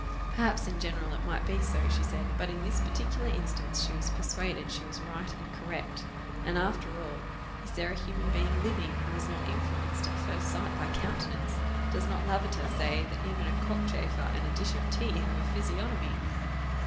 "Perhaps in general it might be so," she said; "but in this particular instance she was persuaded she was right and correct; and after all, is there a human being living who is not influenced at first sight by countenance! Does not Lavater say that even a cockchafer and a dish of tea have a physiognomy?"